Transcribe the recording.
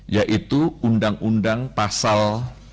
yaitu undang undang pasal